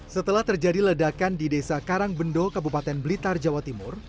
setelah terjadi ledakan di desa karangbendo kabupaten blitar jawa timur